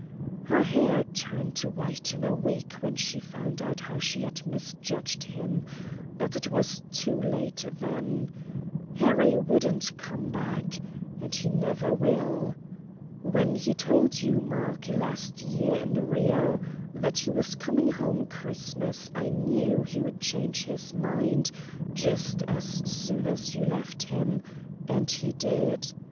Her hair turned white in a week when she found out how she had misjudged him, but it was too late then Harry wouldn't come back, and he never will. When he told you, Mark, last year in Rio that he was coming home Christmas I knew he'd change his mind just as soon as you left him, and he did.